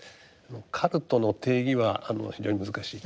カルトの定義は非常に難しいと。